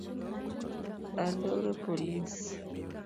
Aluoro polis